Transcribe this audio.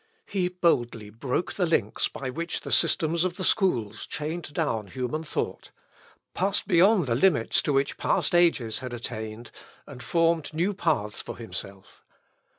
He boldly broke the links by which the systems of the schools chained down human thought, passed beyond the limits to which past ages had attained, and formed new paths for himself.